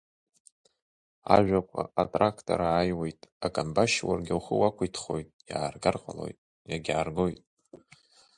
Ажәақәа атрактор ааиуеит акамбашь уаргьы ухы уақәиҭхоит иааргар ҟалоит, иагьааргоит…